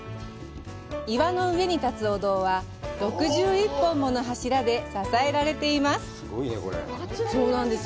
岩の上に建つお堂は６１本もの柱で支えられています。